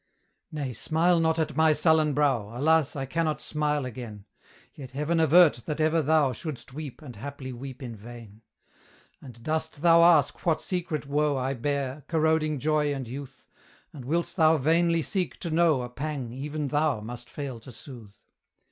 Nay, smile not at my sullen brow, Alas! I cannot smile again: Yet Heaven avert that ever thou Shouldst weep, and haply weep in vain. And dost thou ask what secret woe I bear, corroding joy and youth? And wilt thou vainly seek to know A pang even thou must fail to soothe?